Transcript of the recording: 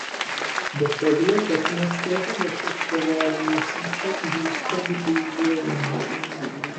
Detaily technického vyšetřování musí však zůstat důvěrné.